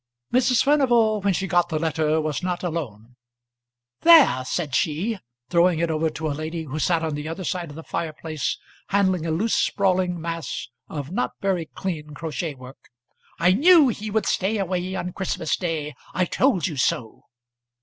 Mrs. Furnival when she got the letter was not alone. "There," said she; throwing it over to a lady who sat on the other side of the fireplace handling a loose sprawling mass of not very clean crochet work. "I knew he would stay away on Christmas day. I told you so."